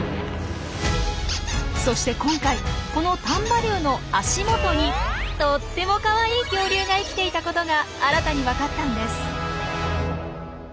そして今回この丹波竜の足元にとってもかわいい恐竜が生きていたことが新たに分かったんです。